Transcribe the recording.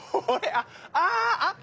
あっああっ。